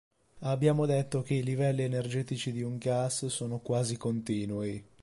Abbiamo detto che i livelli energetici di un gas sono quasi-continui.